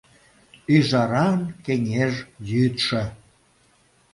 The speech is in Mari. Ӱжаран кеҥеж йӱдшӧ!